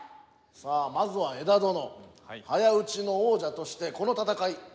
さあまずは江田殿早撃ちの王者としてこの戦い